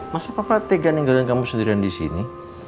masa papa tega ninggalin kamu sendirian di sini